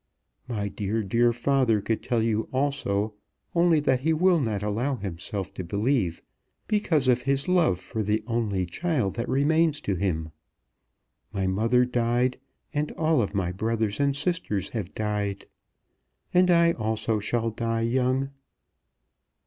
My dear, dear father could tell you also; only that he will not allow himself to believe, because of his love for the only child that remains to him. My mother died; and all my brothers and sisters have died. And I also shall die young.